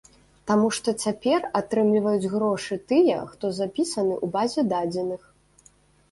Таму што цяпер атрымліваюць грошы тыя, хто запісаны ў базе дадзеных.